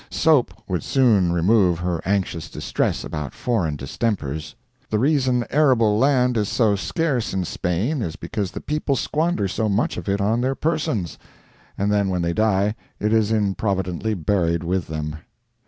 Soap would soon remove her anxious distress about foreign distempers. The reason arable land is so scarce in Spain is because the people squander so much of it on their persons, and then when they die it is improvidently buried with them.